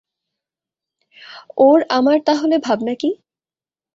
ওর আমার তা হলে ভাবনা কি?